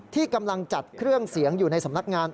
ที่กำลังจัดเครื่องเสียงอยู่ในสำนักงาน